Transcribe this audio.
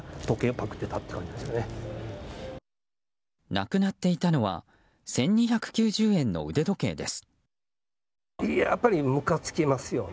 なくなっていたのは１２９０円の腕時計です。